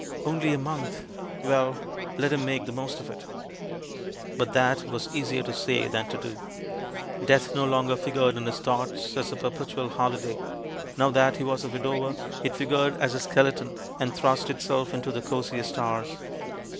Only a month! Well, let him make the most of it ! But that was easier to say than to do. Death no longer figured in his thoughts as a perpetual holiday; now that he was a widower, it figured as a skeleton, and thrust itself into the cosiest hours.